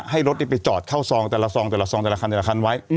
ให้รถไปจอดเข้าซองแต่ละซองแต่ละซองแต่ละคันแต่ละคันไว้